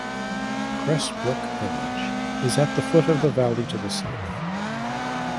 Cressbrook village is at the foot of the valley to the south.